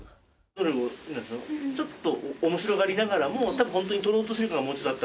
ちょっと面白がりながらもホントにとろうとしてる感がもうちょっとあった方が。